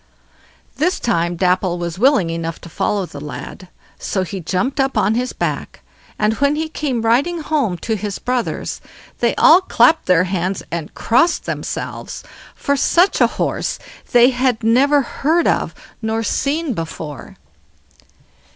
This time Dapple was willing enough to follow the lad, so he jumped up on his back, and when he came riding home to his brothers, they all clapped their hands and crossed themselves, for such a horse they had never heard of nor seen before.